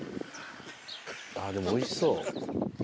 でもおいしそう。